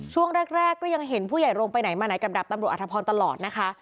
ช่วงแรกก็ยังเห็นผู้ใหญ่โรงไปไหนมาไหนกับดาบตำรวจอธพรตลอดนะคะ